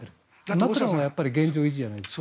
マクロンさんは現状維持じゃないですか。